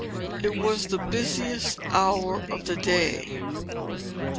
It was the busiest hour of the day.